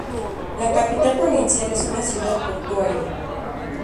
La capital provincial es una ciudad portuaria.